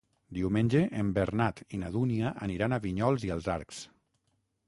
Diumenge en Bernat i na Dúnia aniran a Vinyols i els Arcs.